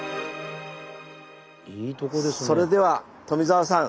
それでは富澤さん